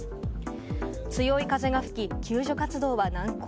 強い風が吹き、救助活動は難航。